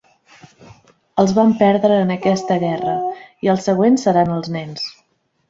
Els vam perdre en aquesta guerra, i els següents seran els nens.